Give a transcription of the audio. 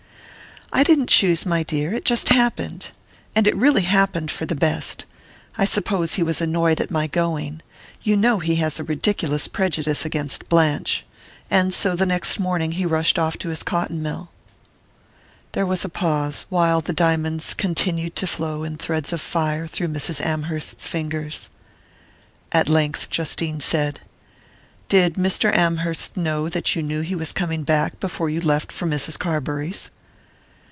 "I didn't choose, my dear it just happened! And it really happened for the best. I suppose he was annoyed at my going you know he has a ridiculous prejudice against Blanche and so the next morning he rushed off to his cotton mill." There was a pause, while the diamonds continued to flow in threads of fire through Mrs. Amherst's fingers. At length Justine said: "Did Mr. Amherst know that you knew he was coming back before you left for Mrs. Carbury's?"